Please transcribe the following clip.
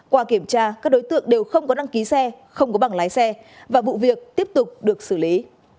qua kiểm tra các đối tượng đều không có đăng ký xe không có bảng lái xe và vụ việc tiếp tục được xử lý